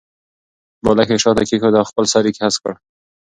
بالښت یې شاته کېښود او خپل سر یې هسک کړ.